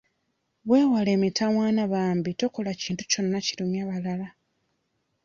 Weewale emitawana bambi tokola kintu kyonna kirumya balala.